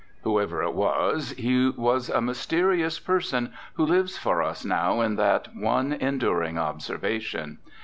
Whoever it was he was a mysterious person who lives for us now in that one enduring observation.